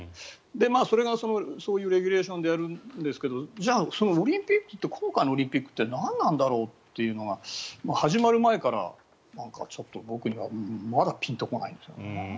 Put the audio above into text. それがそういうレギュレーションでやるんですけどじゃあ、今回のオリンピックって何なんだろうというのが始まる前から僕にはまだピンと来ないんですよね。